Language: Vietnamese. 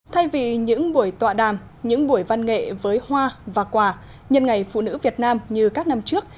thay vì những buổi tọa đàm những buổi văn nghệ với hoa và quà nhân ngày phụ nữ việt nam như các năm trước